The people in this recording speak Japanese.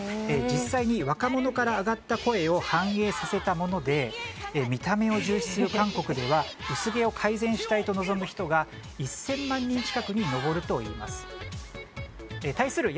実際に若者から上がった声を反映させたもので見た目を重視する韓国では薄毛を改善したいと望む人が１０００万人近くに上るといいます。